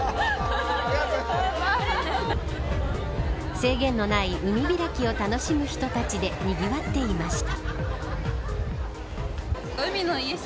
制限のない海開きを楽しむ人たちでにぎわっていました。